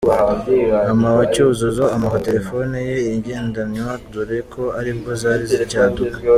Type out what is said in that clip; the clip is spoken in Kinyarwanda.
"Mama wa Cyuzuzo amuha telefoni ye igendanywa dore ko aribwo zari zicyaduka.